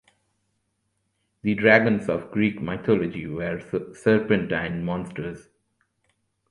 The dragons of Greek mythology were serpentine monsters.